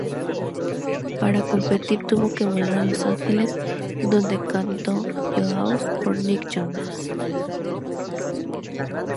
Para competir tuvo que volar a Los Ángeles, donde cantó "Jealous" por Nick Jonas.